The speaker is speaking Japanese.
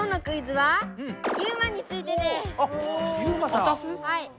はい。